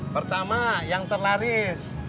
pertama yang terlaris